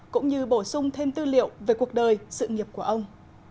cũng như bổ sung thêm tư liệu về cuộc đời sự nghiệp của ông